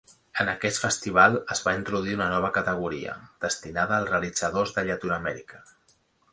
En aquest festival es va introduir una nova categoria, destinada als realitzadors de Llatinoamèrica.